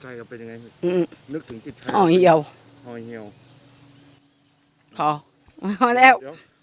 ใจก็เป็นยังไงอืมนึกถึงจิตชายอ่อนเฮียวอ่อนเฮียวพอพอแล้ว